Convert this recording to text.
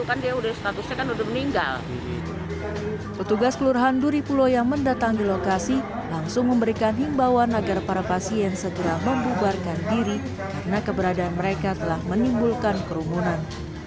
petugas kelurahan duripulo yang mendatangi lokasi langsung memberikan himbawan agar para pasien segera membubarkan diri karena keberadaan mereka telah menimbulkan kerumunan